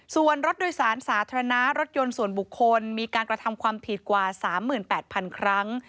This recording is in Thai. ส่วนรถโดยสารสาธารณะรถยนต์ส่วนบุคคลมีการกระทำความผิดกว่า๓๘๐๐๐ครั้ง